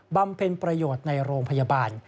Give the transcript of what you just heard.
ำเพ็ญประโยชน์ในโรงพยาบาล